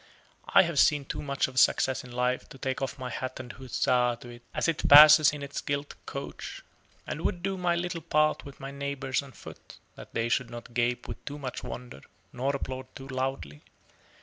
I have seen too much of success in life to take off my hat and huzzah to it as it passes in its gilt coach: and would do my little part with my neighbors on foot, that they should not gape with too much wonder, nor applaud too loudly.